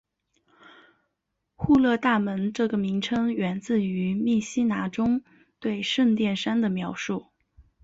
户勒大门这个名称源自于密西拿中对圣殿山的描述。